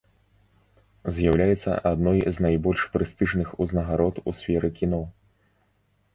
З'яўляецца адной з найбольш прэстыжных узнагарод у сферы кіно.